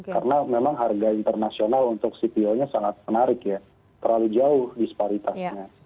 karena memang harga internasional untuk cpo nya sangat menarik ya terlalu jauh disparitasnya